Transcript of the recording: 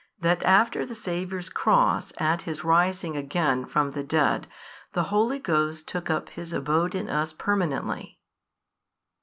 That after the Saviour's Cross at His rising again from the dead the Holy Ghost took up His abode in us permanently.